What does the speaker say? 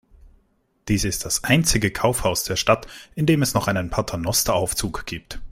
Dies ist das einzige Kaufhaus der Stadt, in dem es noch einen Paternosteraufzug gibt.